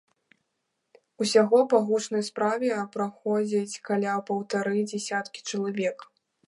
Усяго па гучнай справе праходзіць каля паўтары дзясяткі чалавек.